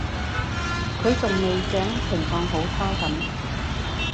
佢仲未醒，情況好差噉